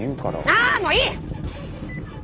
あもういい！